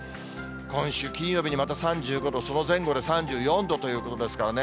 今週金曜日にまた３５度、その前後で３４度ということですからね。